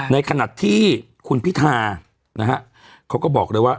ในขณะที่คุณพิธานะฮะเขาก็บอกเลยว่า